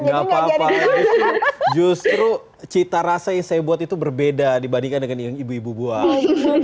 nggak apa apa justru cita rasa yang saya buat itu berbeda dibandingkan dengan yang ibu ibu buat